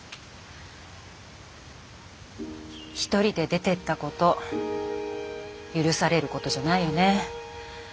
１人で出ていったこと許されることじゃないよね。